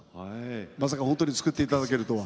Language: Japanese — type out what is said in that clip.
まさか本当に作っていただけるとは。